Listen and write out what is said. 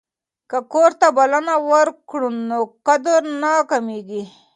که کور ته بلنه ورکړو نو قدر نه کمیږي.